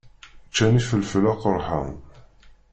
Ččant ifelfel aqeṛḥan.